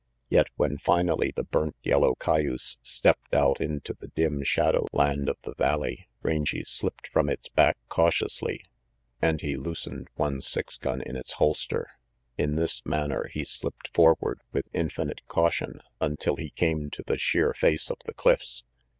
Yet when finally the burnt yellow cayuse stepped out into the dim shadow land of the valley, Rangy slipped from its back cautiously, and he loosened RANGY PETE one six gun in its holster. In this manner he slipped forward, with infinite caution, until he came to the sheer face of the cliffs.